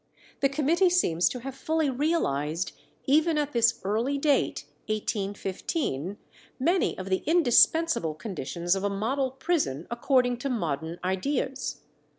The committee seems to have fully realized, even at this early date (1815), many of the indispensable conditions of a model prison according to modern ideas.